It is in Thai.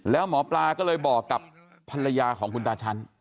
แล้วหมอปลาก็เลยบอกกับภรรยาของคุณตาชั้น